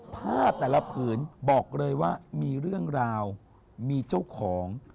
ผ้าแต่ละผืนบอกเลยว่ามีเรื่องราวมีเจ้าของ